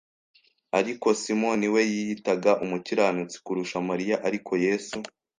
Ariko Simoni we yiyitaga umukiranutsi kurusha Mariya, ariko ¬Yesu